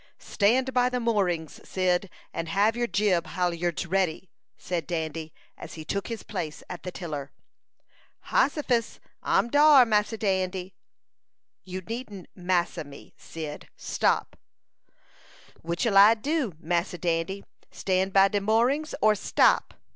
"Stand by the moorings, Cyd, and have your jib halyards ready!" said Dandy, as he took his place at the tiller. "Hossifus! I'm dar, Massa Dandy." "You needn't 'massa' me, Cyd. Stop!" "Which'll I do, Massa Dandy, stand by de moorings, or stop?"